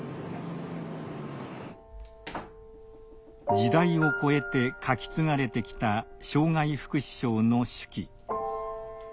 時代をこえて書き継がれてきた障害福祉賞の手記。